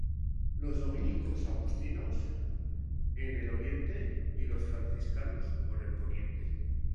Los Dominicos y Agustinos, en el oriente y los Franciscanos por el Poniente.